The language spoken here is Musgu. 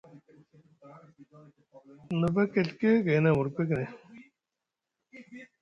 Te nava keɵke gayni amur pekne.